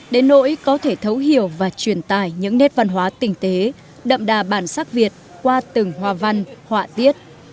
đến nỗi có thể thấu hiểu và truyền tải những nét văn hóa tinh tế đậm đà bản sắc việt qua từng hoa văn họa tiết